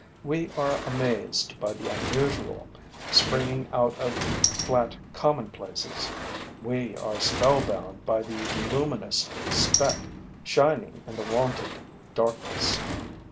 We are amazed by the unusual, springing out of flat commonplaces; we are spellbound by the luminous speck shining in the wonted darkness.